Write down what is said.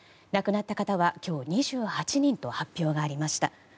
亡くなった方は２８人と発表がありました。